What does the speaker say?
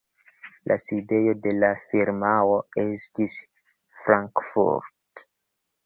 La sidejo de la firmao estis Frankfurt.